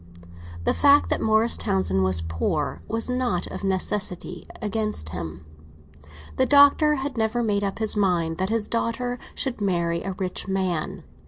The fact that Morris Townsend was poor—was not of necessity against him; the Doctor had never made up his mind that his daughter should marry a rich man.